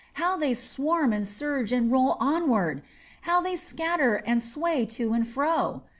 How they swarm and surge and roll onward! How they scatter and sway to and fro.